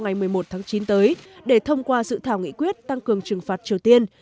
ngày một mươi một tháng chín tới để thông qua dự thảo nghị quyết tăng cường trừng phạt triều tiên